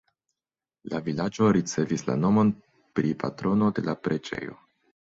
La vilaĝo ricevis la nomon pri patrono de la preĝejo.